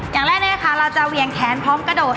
อย่างแรกนะคะเราจะเวียงแขนพร้อมกระโดด